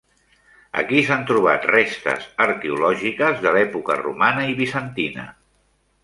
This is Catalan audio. Aquí s'han trobat restes arqueològiques de l'època romana i bizantina.